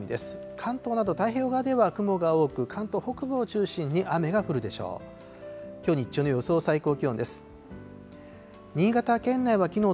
関東など太平洋側では雲が多く、関東北部を中心に雨が降るでしょう。